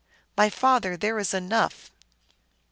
"My father, there is enough !